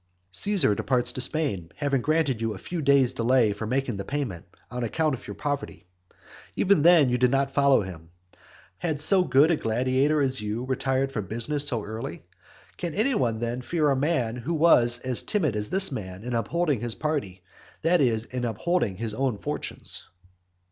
Caesar departs to Spain, having granted you a few days delay for making the payment, on account of your poverty. Even then you do not follow him. Had so good a gladiator as you retired from business so early? Can any one then fear a man who was as timid as this man in upholding his party, that is, in upholding his own fortunes?